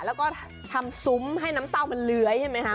แล้วก็ทำซุ้มให้น้ำเตาเหล้วยใช่ไหมค่ะ